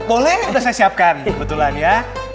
boleh sudah saya siapkan kebetulan ya